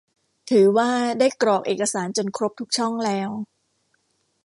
ถือว่าได้กรอกเอกสารจนครบทุกช่องแล้ว